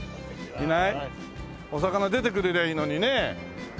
お魚出てくれりゃいいのにね。